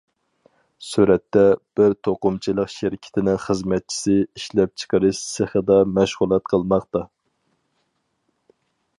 سۈرەتتە، بىر توقۇمىچىلىق شىركىتىنىڭ خىزمەتچىسى ئىشلەپچىقىرىش سېخىدا مەشغۇلات قىلماقتا.